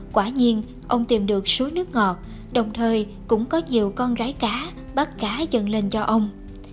tất nhiên ông tìm được suối nước ngọt đồng thời cũng có nhiều con gái cá bắt cá dần lên cho ông